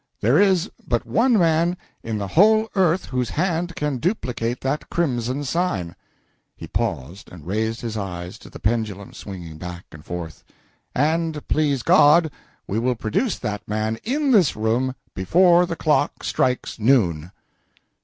There is but one man in the whole earth whose hand can duplicate that crimson sign," he paused and raised his eyes to the pendulum swinging back and forth, "and please God we will produce that man in this room before the clock strikes noon!"